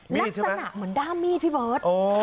ลักษณะเหมือนด้ามมีดพี่เบิร์ต